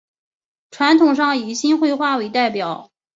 传统上以新会话为代表。